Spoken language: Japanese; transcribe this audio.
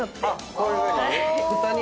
こういうふうに？